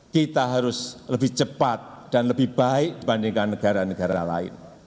kita harus lebih cepat dan lebih baik dibandingkan negara negara lain